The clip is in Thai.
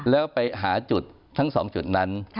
แล้วไปหาจุดทั้ง๒จุดนั้น